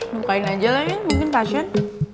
bukain aja lah ya mungkin pasien